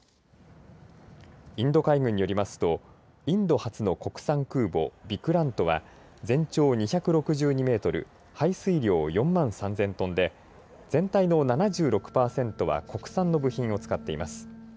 インド海軍によりますとインド初の国産空母ビクラントは全長２６２メートル排水量４万３０００トンで全体の７６パーセントは国産の部品を使っています。